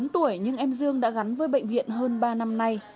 một mươi bốn tuổi nhưng em dương đã gắn với bệnh viện hơn ba năm nay